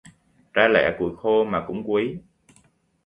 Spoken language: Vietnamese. Ba lẻ củi khô mà cũng quý